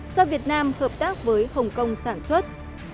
do việt nam hợp tác với hồng kông sản xuất